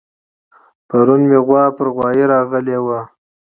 پرون مې غوا پر غوايه راغلې وه